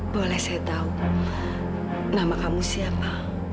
boleh saya tahu nama kamu siapa